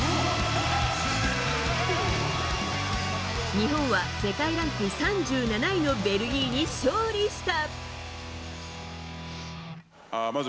日本は世界ランク３７位のベルギーに勝利した。